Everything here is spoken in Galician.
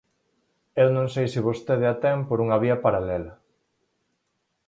Eu non sei se vostede a ten por unha vía paralela.